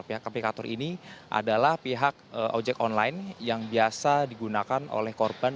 pihak aplikator ini adalah pihak ojek online yang biasa digunakan oleh korban